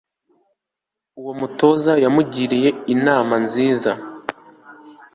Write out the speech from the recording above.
Uwo mutoza yamugiriye inama nziza